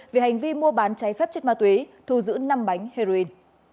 về hành vi mua bán cháy phép chất ma túy thu giữ năm bánh heroin